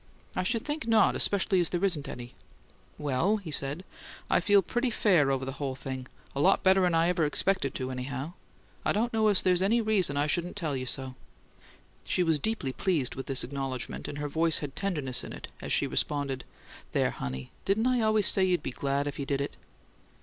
"I should think not especially as there isn't any." "Well," he said, "I feel pretty fair over the whole thing a lot better'n I ever expected to, anyhow. I don't know as there's any reason I shouldn't tell you so." She was deeply pleased with this acknowledgment, and her voice had tenderness in it as she responded: "There, honey! Didn't I always say you'd be glad if you did it?"